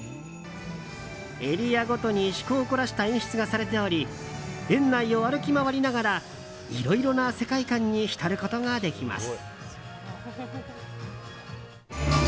エリアごとに趣向を凝らした演出がされており園内を歩き回りながらいろいろな世界観に浸ることができます。